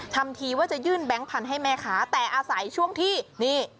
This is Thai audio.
ทำทีว่าจะยื่นแบงค์พันธุ์ให้แม่ค้าแต่อาศัยช่วงที่นี่